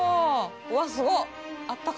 うわっすごっ！